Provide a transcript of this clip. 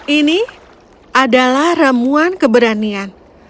ini adalah remuan keberanian